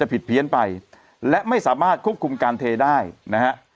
ผิดเพี้ยนไปและไม่สามารถควบคุมการเทได้นะฮะ